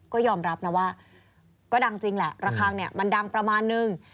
ก็ยอมรับนะว่าก็ดังจริงแหละระคังเนี่ยมันดังประมาณนึง